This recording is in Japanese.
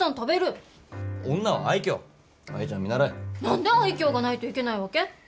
何で愛嬌がないといけないわけ？